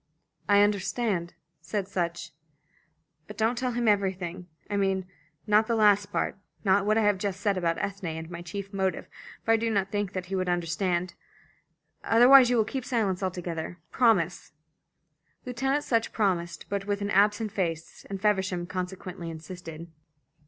"I understand," said Sutch. "But don't tell him everything I mean, not the last part, not what I have just said about Ethne and my chief motive, for I do not think that he would understand. Otherwise you will keep silence altogether. Promise!" Lieutenant Sutch promised, but with an absent face, and Feversham consequently insisted.